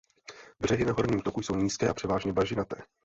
Břehy na horním toku jsou nízké a převážně bažinaté.